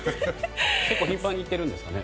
頻繁に行ってるんですかね。